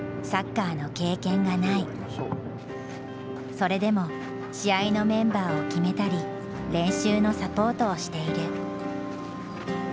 それでも試合のメンバーを決めたり練習のサポートをしている。